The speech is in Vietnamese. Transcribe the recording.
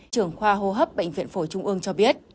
trưởng khoa hô hấp bệnh viện phổi trung ương cho biết